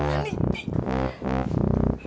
lu harus kuat dong